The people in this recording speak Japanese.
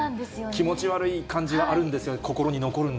気持ち悪い感じはあるんです